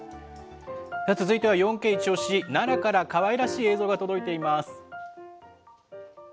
続いては４Ｋイチオシ！、奈良からかわいらしい映像が届いています。